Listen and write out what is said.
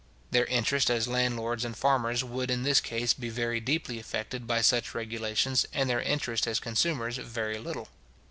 Their interest as landlords and farmers would in this case be very deeply affected by such regulations, and their interest as consumers very little.